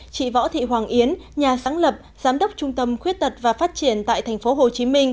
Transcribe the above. chị võ thị hoàng yến nhà sáng lập giám đốc trung tâm khuyết tật và phát triển tại tp hcm